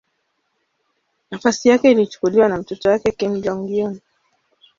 Nafasi yake ilichukuliwa na mtoto wake Kim Jong-un.